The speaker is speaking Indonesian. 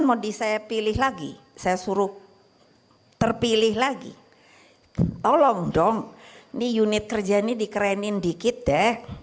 mau saya pilih lagi saya suruh terpilih lagi tolong dong ini unit kerja ini dikerenin dikit deh